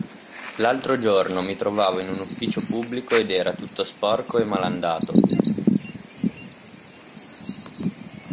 L'altro giorno mi trovavo in un ufficio pubblico ed era tutto sporco e malandato.